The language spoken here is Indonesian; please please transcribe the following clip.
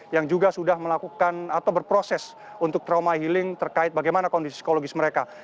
yang juga sudah melakukan atau berproses untuk trauma healing terkait bagaimana kondisi psikologis mereka